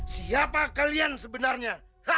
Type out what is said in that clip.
siapa kalian sebenarnya